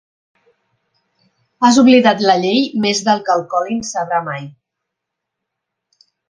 Has oblidat la llei més del que el Colin sabrà mai.